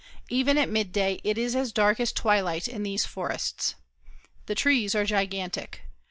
Even at midday it is as dark as twilight in these forests. The trees are gigantic.